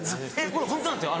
これホントなんですよ